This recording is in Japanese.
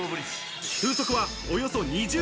風速はおよそ２０ｍ。